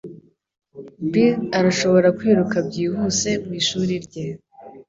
Bill arashobora kwiruka byihuse mwishuri rye